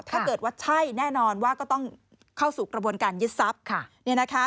ถ้าเกิดว่าใช่แน่นอนว่าก็ต้องเข้าสู่กระบวนการยึดทรัพย์